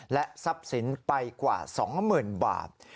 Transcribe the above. และทรัพย์สินไปกว่าสองหมื่นบาท